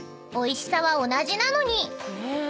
［おいしさは同じなのに］